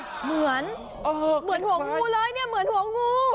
เหมือนเหมือนหัวงูเลยเนี่ยเหมือนหัวงู